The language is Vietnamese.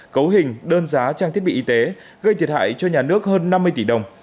cấu hình đơn giá trang thiết bị y tế gây thiệt hại cho nhà nước hơn năm mươi tỷ đồng